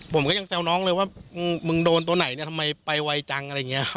ผมก็ยังแซวน้องเลยว่ามึงโดนตัวไหนเนี่ยทำไมไปไวจังอะไรอย่างนี้ครับ